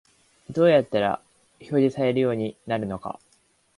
どうやったら表示されるようになるのか